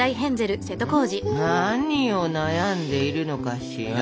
何を悩んでいるのかしら？